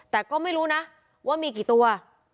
แต่ก็ไม่รู้นะว่ามีกี่ตัว